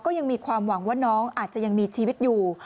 ยังมีความหวังว่าน้องอาจจะยังมีชีวิตอยู่